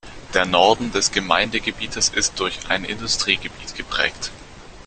Der Norden des Gemeindegebietes ist durch ein Industriegebiet geprägt.